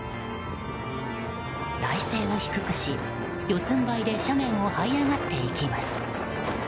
体勢を低くし、四つん這いで斜面を這い上がっていきます。